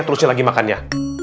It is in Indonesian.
terusin lagi makannya